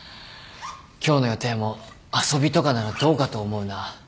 今日の予定も遊びとかならどうかと思うな。